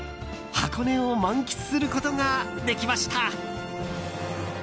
箱根を満喫することができました。